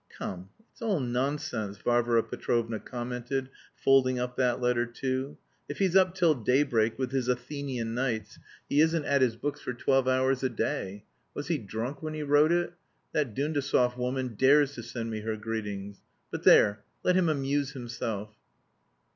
"Come, it's all nonsense!" Varvara Petrovna commented, folding up that letter too. "If he's up till daybreak with his Athenian nights, he isn't at his books for twelve hours a day. Was he drunk when he wrote it? That Dundasov woman dares to send me greetings! But there, let him amuse himself!"